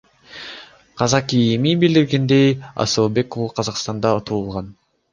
Казак ИИМи билдиргендей, Асылбек уулу Казакстанда туулган.